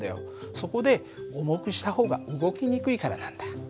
そこで重くした方が動きにくいからなんだ。